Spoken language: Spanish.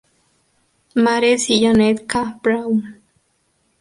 Mares y Janet K. Braun.